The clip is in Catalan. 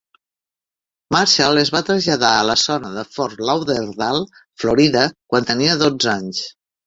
Marshall es va traslladar a la zona de Fort Lauderdale, Florida, quan tenia dotze anys.